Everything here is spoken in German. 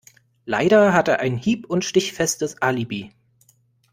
Leider hat er ein hieb- und stichfestes Alibi.